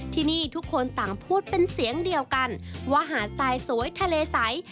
ที่นี่ทุกคนต่างพูดเป็นเสียงเดียวกันว่าหาดทรายสวยทะเลใส